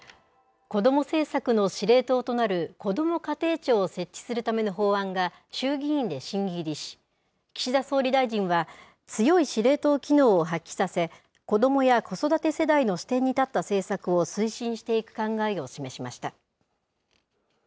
子ども政策の司令塔となる、こども家庭庁を設置するための法案が、衆議院で審議入りし、岸田総理大臣は、強い司令塔機能を発揮させ、子どもや子育て世代の視点に立った政策を推進していく考えを示しました。